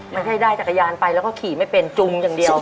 ได้จักรยานไปแล้วก็ขี่ไม่เป็นจุงอย่างเดียว